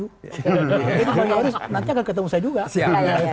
jadi pak luhut nanti akan ketemu saya juga